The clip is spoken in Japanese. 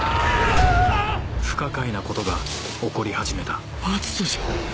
不可解なことが起こり始めた篤斗じゃない。